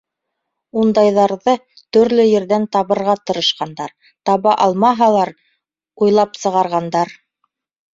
Ундайҙарҙы төрлө ерҙән табырға тырышҡандар, таба алмаһалар, уйлап сығарғандар.